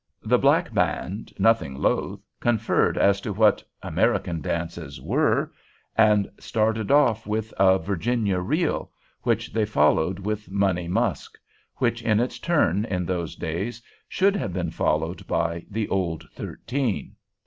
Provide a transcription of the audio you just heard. The black band, nothing loath, conferred as to what "American dances" were, and started off with "Virginia Reel," which they followed with "Money Musk," which, in its turn in those days, should have been followed by "The Old Thirteen."